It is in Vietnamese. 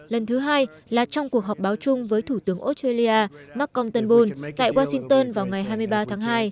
lần thứ hai là trong cuộc họp báo chung với thủ tướng australia mark contenberry tại washington vào ngày hai mươi ba tháng hai